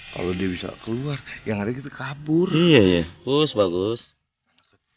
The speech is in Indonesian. kalau dia bisa keluar yang ada kita kabur ya ya bagus bagus